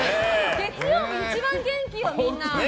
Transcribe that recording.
月曜日、一番元気よ、みんな。